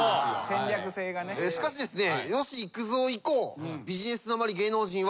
しかしですね。